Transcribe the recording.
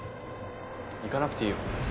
行かなくていいよ。